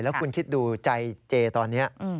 แล้วคุณคิดดูใจเจตอนนี้